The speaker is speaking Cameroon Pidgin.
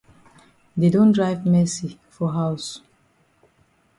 Dey don drive Mercy for haus.